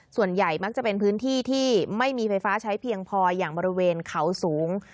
ส่วนใหญ่มักจะเป็นพื้นที่ที่ไม่มีไฟฟ้าใช้เพียงพออย่างบริเวณเขาสูง